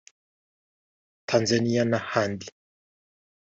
Tanzania n’ahandi